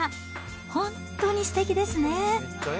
本当にすてきですね。